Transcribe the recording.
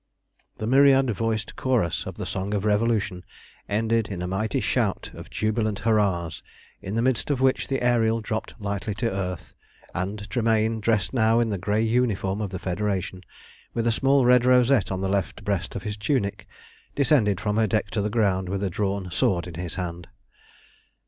The myriad voiced chorus of the Song of the Revolution ended in a mighty shout of jubilant hurrahs, in the midst of which the Ariel dropped lightly to the earth, and Tremayne, dressed now in the grey uniform of the Federation, with a small red rosette on the left breast of his tunic, descended from her deck to the ground with a drawn sword in his hand.